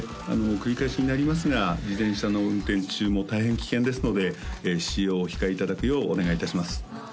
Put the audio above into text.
繰り返しになりますが自転車の運転中も大変危険ですので使用をお控えいただくようお願いいたします